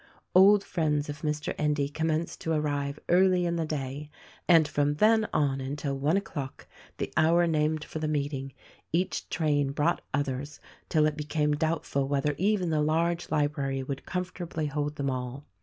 Old friends of Mr. Endy commenced to arrive early in the day, and from then on until one o'clock — the hour named for the meeting — each train brought others till it became doubtful whether even the large library would comfortably hold them all.